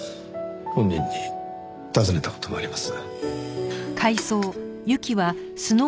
本人に尋ねた事もあります。